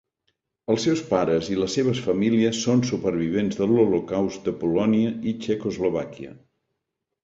Els seus pares i les seves famílies són supervivents de l'Holocaust de Polònia i Txecoslovàquia.